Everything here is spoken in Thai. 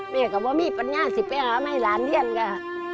แม่ก็บอกว่ามีปัญญาสิเปล่าไม่ร้านเทียนค่ะ